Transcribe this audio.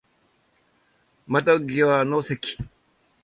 窓際の席